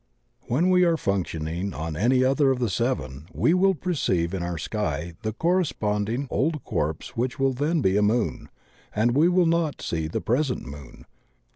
When we are functioning on any other of the seven we will perceive in our sky the correspond ing old corpse which will then be a Moon, and we will not see the present Moon.